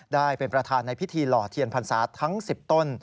ได้เป็นประธานในพิธีหล่อเทียนพรรษาทั้ง๑๐ต้น